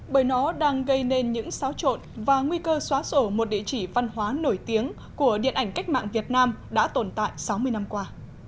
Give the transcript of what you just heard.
bởi nó đang gây nên những xáo trộn và nguy cơ xóa sổ một địa chỉ văn hóa nổi tiếng của điện ảnh cách mạng việt nam đã tồn tại sáu mươi năm qua